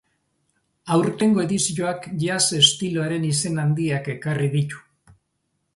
Aurtengo edizioak jazz estiloaren izen handiak ekarri ditu.